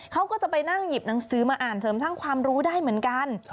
เขาก็จะไปนั่งหยิบหนังสือมาอ่านเสริมสร้างความรู้ได้เหมือนกัน